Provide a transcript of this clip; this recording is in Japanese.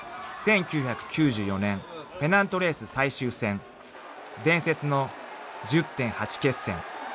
［１９９４年ペナントレース最終戦伝説の１０．８決戦］